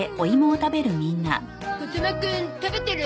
風間くん食べてる？